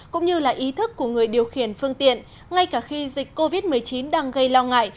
cũng như là ý thức của người điều khiển phương tiện ngay cả khi dịch covid một mươi chín đang gây lo ngại